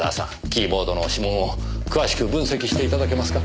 キーボードの指紋を詳しく分析して頂けますか？